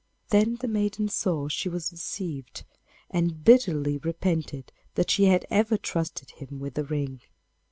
Then the maiden saw she was deceived, and bitterly repented that she had ever trusted him with the ring.